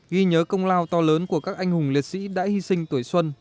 ghi nhớ công lao to lớn của các anh hùng liệt sĩ đã hy sinh tuổi xuân